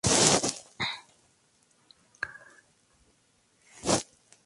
Pacientes con esqueleto sano y maduro.